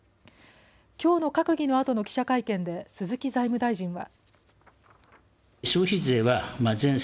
きょうの閣議のあとの記者会見で鈴木財務大臣は。